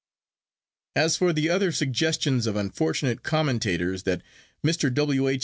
'As for the other suggestions of unfortunate commentators, that Mr. W. H.